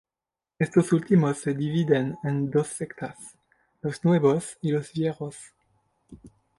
Estos últimos se dividen en dos sectas: los nuevos y los viejos.